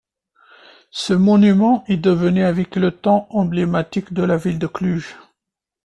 Ce monument est devenu avec le temps emblématique de la ville de Cluj.